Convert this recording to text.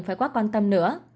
phải quá quan tâm nữa